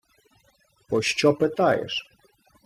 — Пощо питаєш?